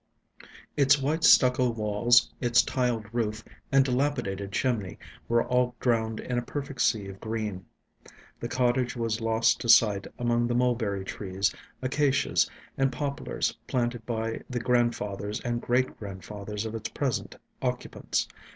Its white stucco walls, its tiled roof, and dilapidated chimney, were all drowned in a perfect sea of green. The cottage was lost to sight among the mulberry trees, acacias, and poplars planted by the grandfathers and great grandfathers of its present occupants.